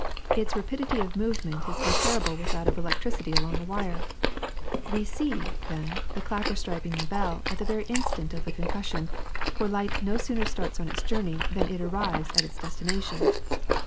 Its rapidity of movement is comparable with that of electricity along a wire. We see, then, the clapper striking the bell at the very instant of the concussion, for light no sooner starts on its journey than it arrives at its destination.